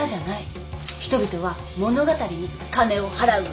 人々は物語に金を払うの。